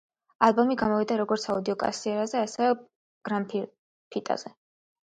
ალბომი გამოვიდა როგორც აუდიო კასეტაზე, ასევე გრამფირფიტაზე.